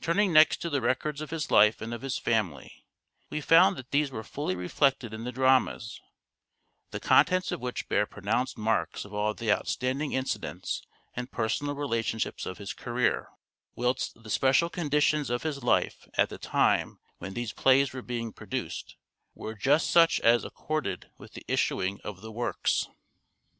Turning next to the records of his life and of his family we found that these were fully reflected in the dramas : the contents of which bear pronounced marks of all the outstanding incidents and personal relationships of his career, whilst the special conditions of his life at the time when these plays were being produced were just such as accorded with the issuing of the works.